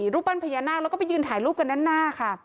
รูปปั้นพญานาคแล้วก็ไปยืนถ่ายรูปกันด้านหน้าค่ะ